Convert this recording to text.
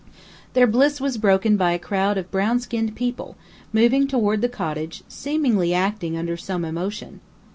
Their bliss was broken by a crowd of brown skinned people, moving toward the cottage, seemingly acting under some emotion.